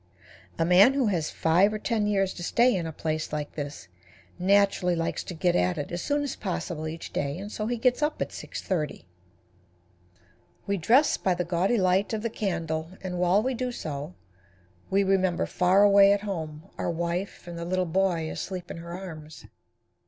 A man who has five or ten years to stay in a place like this naturally likes to get at it as soon as possible each day, and so he gets up at 6:30. We dress by the gaudy light of the candle, and while we do so, we remember far away at home our wife and the little boy asleep in her arms.